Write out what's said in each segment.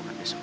wanita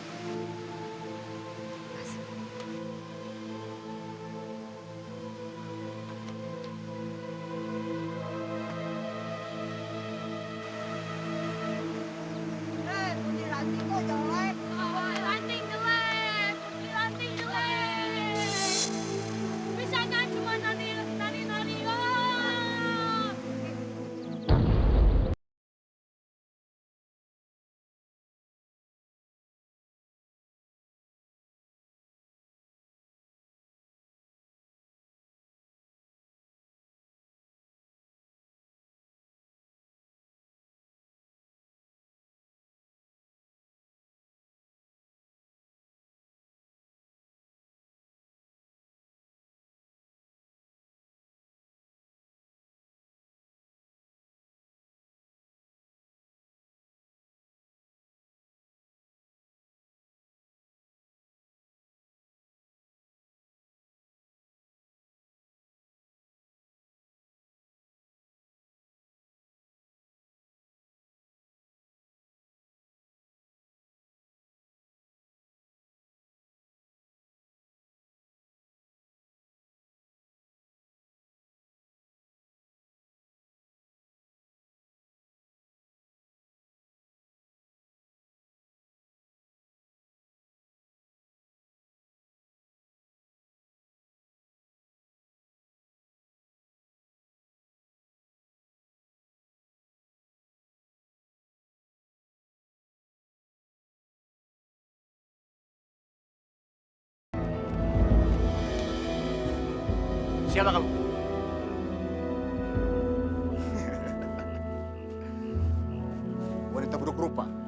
buruk rupa